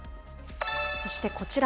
そしてこちら。